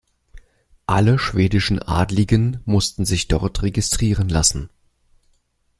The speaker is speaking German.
Alle schwedischen Adligen mussten sich dort registrieren lassen.